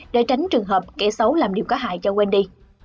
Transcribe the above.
để tránh trường hợp kẻ xấu làm điều có hại cho wendy